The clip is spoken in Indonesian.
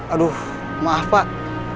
aduh maaf pak